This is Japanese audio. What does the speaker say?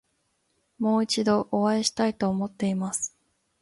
もう一度お会いしたいと思っています。